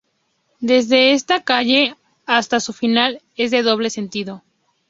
Desde esta calle hasta su final es de doble sentido.